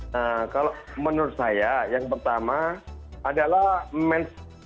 nah kalau menurut saya yang pertama adalah manch